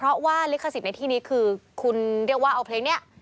เพราะว่าลิขสิทธิ์ในที่นี้คือคุณเรียกว่าเอาเพลงนี้